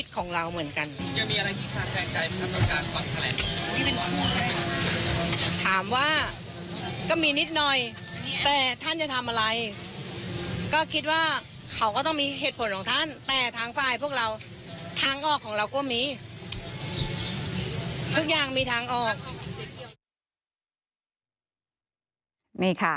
กับชีวิตของเราเหมือนกัน